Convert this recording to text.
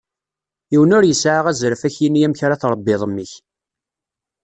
Yiwen ur yesεa azref ad k-d-yini amek ara tṛebbiḍ mmi-k.